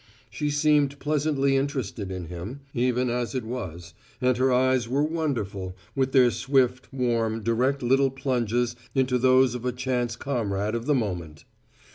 She seemed pleasantly interested in him, even as it was and her eyes were wonderful, with their swift, warm, direct little plunges into those of a chance comrade of the moment.